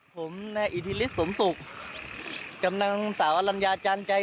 ผมแน่อีธิฤทธิ์สมศุกร์กำหนังสาวอ่าลัญญาจานใจ